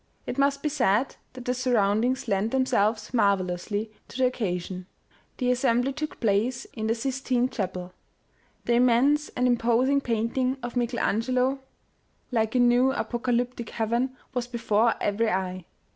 It must be said that the surround ings lent themselves marvellously to the occasion. The assembly took place in the Sistine chapel. The immense and imposing painting of Michael Angelo, like a new apocalyptic heaven, was before every eye.